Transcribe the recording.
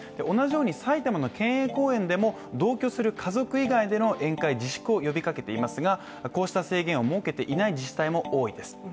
同じように埼玉の県営公園でも同居する家族以外での宴会自粛を呼びかけていますがこうした制限を設けていない自治体も多いです